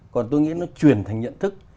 còn tôi nghĩ nó chuyển thành nhận thức